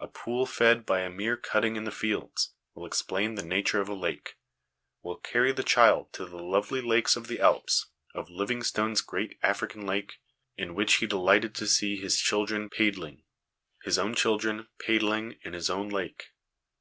A pool fed by a mere cutting in the fields will explain the nature of a lake, 274 HOME EDUCATION will carry the child to the lovely lakes of the Alps, to Livingstone's great African lake, in which he delighted to see his children ' paidling '" his own children 'paidling' in his own lake."